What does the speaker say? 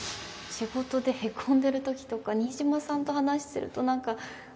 仕事でへこんでる時とか新島さんと話してると何か